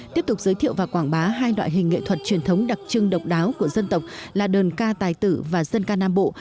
tiếp tục giới thiệu và quảng bá hai loại hình nghệ thuật truyền thống đặc trưng độc đáo của dân tộc là đơn ca tài tử và dân ca nam bộ